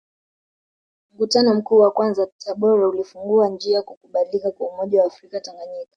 Mkutano Mkuu wa kwanza Tabora ulifungua njia kukubalika kwa umoja wa afrika Tanganyika